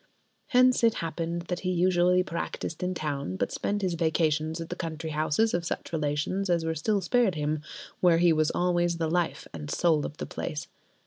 Hence it happened that he usually practised in town, but spent his vacations at the country houses of such relations as were still spared him, where he was always the life and soul of the place.